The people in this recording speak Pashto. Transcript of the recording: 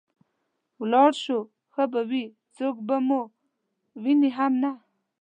ولاړ شو ښه به وي، څوک به مو ویني هم نه.